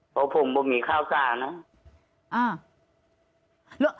เพราะผมบ่มีข้าวสารนะ